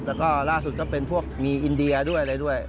แล้วก็ล่าสุดก็เป็นพวกมีอินเดียด้วยอะไรด้วย